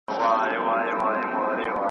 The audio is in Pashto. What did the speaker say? ځوان به ویښ وو هغه آش هغه کاسه وه .